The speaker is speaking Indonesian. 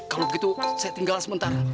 kalau begitu saya tinggal sementara